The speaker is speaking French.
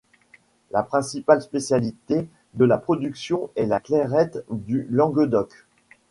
La principale spécificité de la production est la clairette du Languedoc.